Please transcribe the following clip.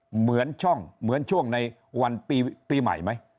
เหมือนช่องเหมือนช่วงในวันปีใหม่ไหม